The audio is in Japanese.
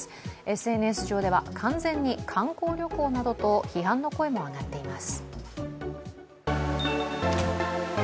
ＳＮＳ上では完全に観光旅行との批判の声も上がっています。